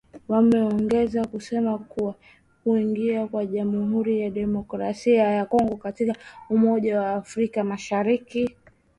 Wameongeza kusema kuwa kuingia kwa Jamuhuri ya Demokrasia ya Kongo katika umoja wa afrika mashariki